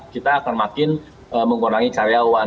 kita akan makin mengurangi karyawan